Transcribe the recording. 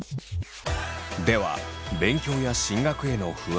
では勉強や進学への不安